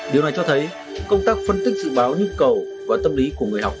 điều này cho thấy công tác phân tích dự báo nhu cầu và tâm lý của người học